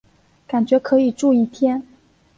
感觉可以住一天